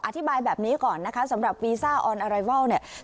อธิบายแบบนี้ก่อนนะคะสำหรับวีซ่าออนอะไรวัลเนี่ย